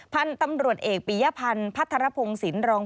พันธุ์ตำรวจเอกปียพันธ์พัทรพงศิลปรอง